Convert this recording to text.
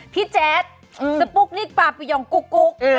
แจ๊ดสปุ๊กนิกปลาปิยองกุ๊ก